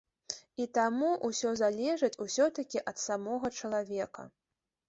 І таму ўсё залежыць усё-такі ад самога чалавека.